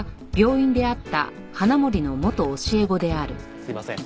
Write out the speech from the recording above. すいません。